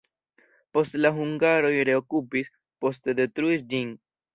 Poste la hungaroj reokupis, poste detruis ĝin.